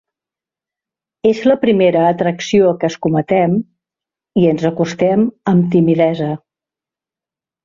És la primera atracció que escometem i ens acostem amb timidesa.